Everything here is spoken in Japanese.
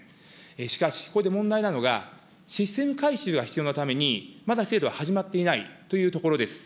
しかし、ここで問題なのが、システム改修が必要なために、まだ制度が始まっていないというところです。